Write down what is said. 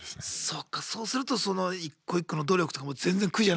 そっかそうするとその一個一個の努力とかも全然苦じゃないんだ？